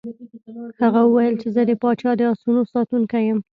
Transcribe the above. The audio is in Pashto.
هغه وویل چې زه د پاچا د آسونو ساتونکی یم.